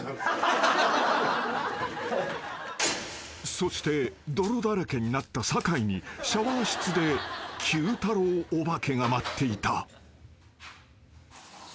［そして泥だらけになった酒井にシャワー室でＱ太郎オバケが待っていた］